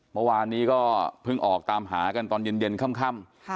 เมื่อวานนี้ก็เพิ่งออกตามหากันตอนเย็นค่ำ